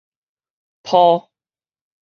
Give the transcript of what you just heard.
泡